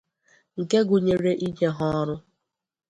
nke gụnyere inye ha ọrụ